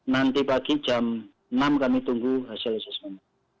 nanti pagi jam enam kami tunggu hasil asesmen